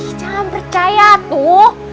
ih jangan percaya tuh